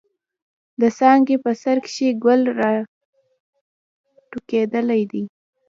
د څانګې په سر کښې ګل را ټوكېدلے دے۔